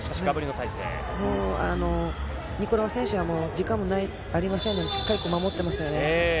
ニコロワ選手は時間もありませんのでしっかり守っていますよね。